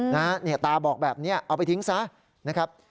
นี่ตาบอกแบบนี้เอาไปทิ้งซะ